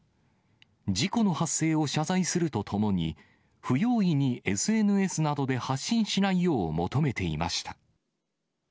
事故の発生を謝罪するとともに、不用意にＳＮＳなどで発信しないよう求めていました。